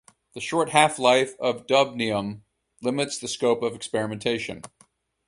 The short half-life of dubnium limits the scope of experimentation.